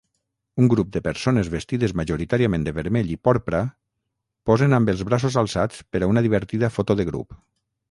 Un grup de persones vestides majoritàriament de vermell i porpra posen amb els braços alçats per a una divertida foto de grup